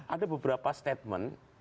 ada beberapa statement